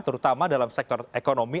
terutama dalam sektor ekonomi